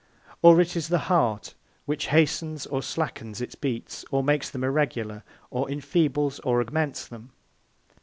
Or it is the heart, which hastens or slackens its beats, or makes them irregular, or enfeebles, or augments them.